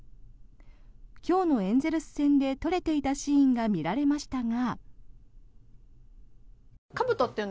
今日のエンゼルス戦で取れていたシーンが見られましたが。